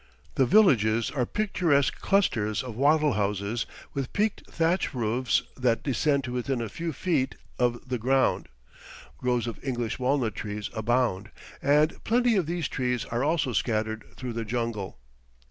The villages are picturesque clusters of wattle houses with peaked thatch roofs that descend to within a few feet of the ground. Groves of English walnut trees abound, and plenty of these trees are also scattered through the jungle.